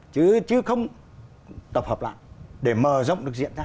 chứ không tập hợp lại để mở rộng được diễn ra